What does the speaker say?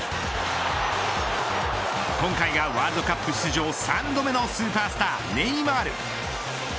今回がワールドカップ出場３度目のスーパースターネイマール。